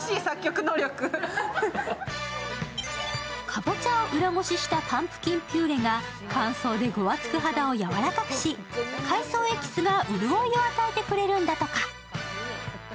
かぼちゃを裏ごししたパンプキンピューレが乾燥でゴワつく肌を柔らかくし海藻エキスがうるおいを与えてくれるんだとか。